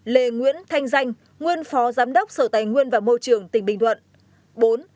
ba lê nguyễn thanh danh nguyên phó giám đốc sở tài nguyên và môi trường tỉnh bình thuận